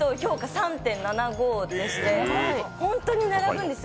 ３．７５でして本当に並ぶんですよ。